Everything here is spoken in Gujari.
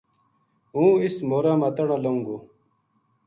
ہوں اس مورا ما تہناں لہوں گو